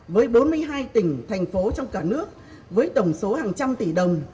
với bốn mươi hai tỉnh thành phố trong cả nước với tổng số hàng trăm tỷ đồng